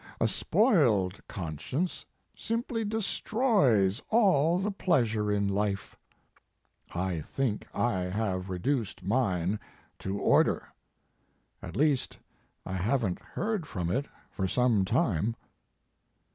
A spoiled conscience simply destroys all the pleasure in life. I think I have re duced min to order. At least I haven t heard from it for some time.